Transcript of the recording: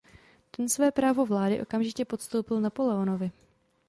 Ten své právo vlády okamžitě postoupil Napoleonovi.